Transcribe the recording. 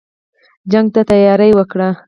جنګ ته تیاری وکړی.